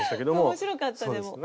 面白かったでも。